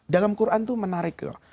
dalam quran itu menarik loh